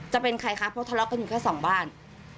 จะเป็นใครคะเพราะทะเลาะกันอยู่แค่สองบ้าน